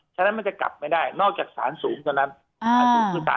ฉะนั้นมันจะกลับไม่ได้นอกจากสารสูงเท่านั้น